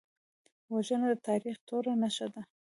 وژنه د تاریخ توره نښه ده